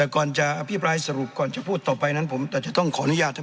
ก่อนจะอภิปรายสรุปก่อนจะพูดต่อไปนั้นผมแต่จะต้องขออนุญาต